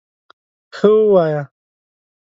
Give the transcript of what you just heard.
_ښه، ووايه!